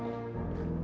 aduh aku harus